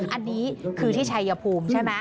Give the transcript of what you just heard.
อันนี้คือที่ชัยภูมิใช่ไหม